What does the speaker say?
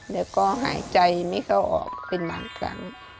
แล้วก็หายใจไม่เข้าออกเป็นบางครั้ง